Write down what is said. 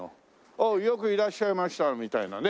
「おおよくいらっしゃいました」みたいなね。